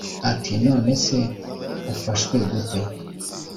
ati"nonese ufashwe gute?"